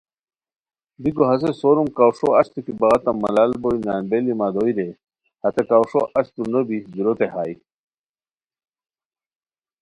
بیکو ہسے سوروم کاوݰو اچتو کی بغاتام ملال بوئے، نان بیلی مہ دوئے رے ہتے کاوݰو اچتو نو بی دوروتے ہائے